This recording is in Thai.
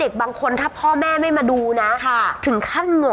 ข้างใจไม่กล้าแสดง